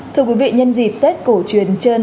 thưa quý vị nhân dịp tết cổ truyền trơn